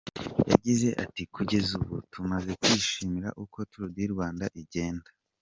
Yagize ati “kugeza ubu tumaze kwishimira uko Tour Du Rwanda igenda.